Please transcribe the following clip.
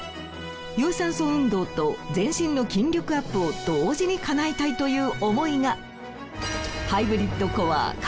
有酸素運動と全身の筋力アップを同時にかなえたいという思いが。